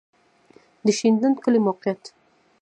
د شینډنډ کلی موقعیت